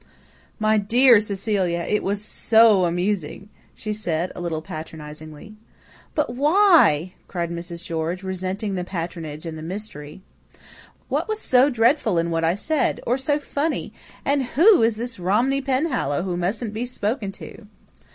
"My dear Cecilia, it was SO amusing," she said, a little patronizingly. "But WHY!" cried Mrs. George, resenting the patronage and the mystery. "What was so dreadful in what I said? Or so funny? And WHO is this Romney Penhallow who mustn't be spoken to?"